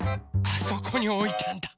あそこにおいたんだ。